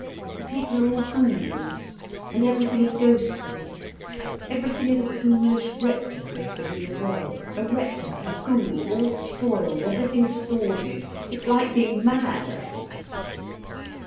The people are all ghouls, and everything is ghostly. Everything is a ghoulish replica of the real world, a replica, a ghoul, all soiled, everything sordid. It's like being mad, Ursula."